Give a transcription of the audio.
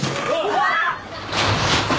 うわっ！